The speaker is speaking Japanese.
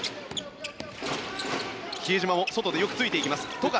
比江島も外でよくついていきます。